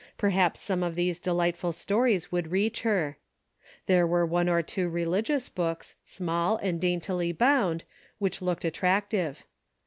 Perhaps some of these delightful stories would reach her. There were one or two religious books, small and daintily bound, which looked attractive.